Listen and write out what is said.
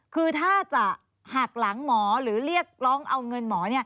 คือถ้าจะหักหลังหมอหรือเรียกร้องเอาเงินหมอ